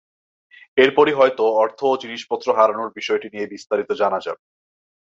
এরপরই হয়তো অর্থ ও জিনিসপত্র হারানোর বিষয়টি নিয়ে বিস্তারিত জানা যাবে।